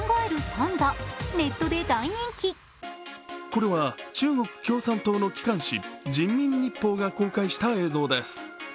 これは中国共産党の機関紙「人民日報」が公開した映像です。